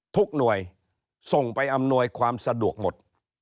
ทุกหน่วยส่งไปอำนวยความสะดวกหมด